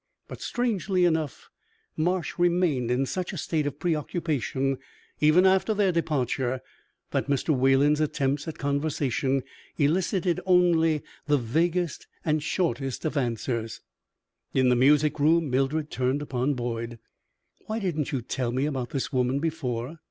But, strangely enough, Marsh remained in such a state of preoccupation, even after their departure, that Mr. Wayland's attempts at conversation elicited only the vaguest and shortest of answers. In the music room Mildred turned upon Boyd. "Why didn't you tell me about this woman before?"